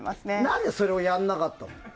何でそれをやんなかったの？